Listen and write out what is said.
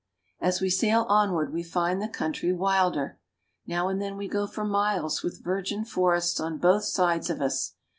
As we sail onward we find the country wilder. Now and then we go for miles with virgin forests on both sides of us.